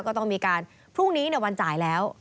ก็ต้องมีการพรุ่งนี้วันจ่ายแล้ว